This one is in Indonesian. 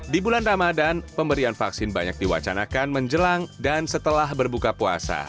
di bulan ramadan pemberian vaksin banyak diwacanakan menjelang dan setelah berbuka puasa